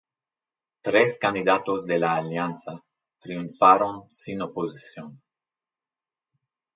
Tres candidatos de la Alianza triunfaron sin oposición.